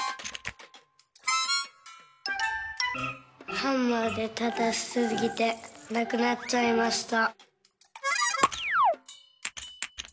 「ハンマーでたたきすぎてなくなっちゃいました」。